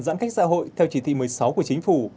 giãn cách xã hội theo chỉ thị một mươi sáu của chính phủ